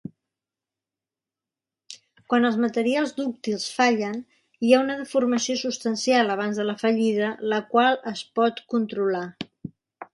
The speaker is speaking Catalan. Quan els materials dúctils fallen, hi ha una deformació substancial abans de la fallida, la qual es pot controlar.